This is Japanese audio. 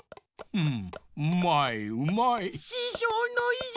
うん？